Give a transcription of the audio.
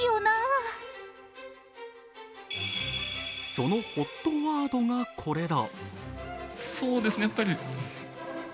そのＨＯＴワードがこれだ！